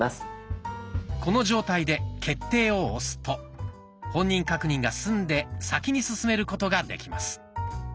この状態で「決定」を押すと本人確認が済んで先に進めることができます。